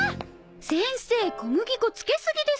先生小麦粉つけすぎですよ。